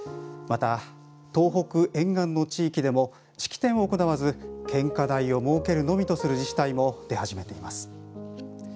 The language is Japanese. また東北沿岸の地域でも式典を行わず献花台を設けるのみとする自治体も出始めています。